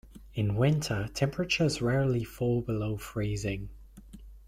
In winter, temperatures rarely fall below freezing.